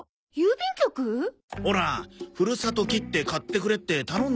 ほらふるさと切手買ってくれって頼んだろ？